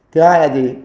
thứ hai là gì